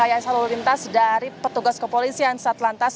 diterapkan rekaya lalu lintas dari petugas kepolisian satlantas